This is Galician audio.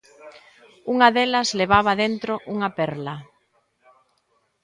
Unha delas levaba dentro unha perla.